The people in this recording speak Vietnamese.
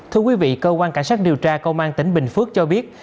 thưa quý vị cơ quan cảnh sát điều tra công an tỉnh bình phước cho biết